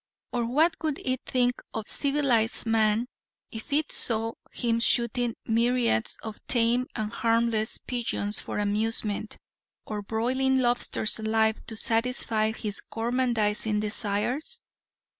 Or what would it think of civilized man if it saw him shooting myriads of tame and harmless pigeons for amusement, or broiling lobsters alive to satisfy his gormandizing desires?